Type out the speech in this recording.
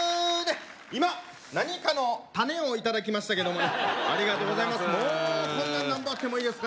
今何かの種をいただきましたけどもねありがとうございます